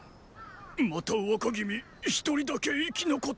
また若君一人だけ生き残っておる。